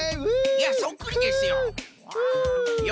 いやそっくりですよ。